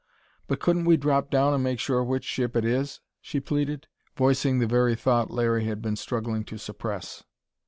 '" "But couldn't we drop down and make sure which ship it is?" she pleaded, voicing the very thought Larry had been struggling to suppress.